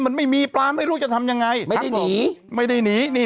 มันไม่มีปลาไม่รู้จะทำยังไงไม่ได้หนีไม่ได้หนีนี่